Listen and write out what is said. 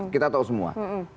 kita tahu semua